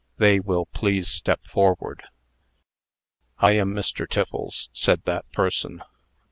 They will please step forward." "I am Mr. Tiffles," said that person.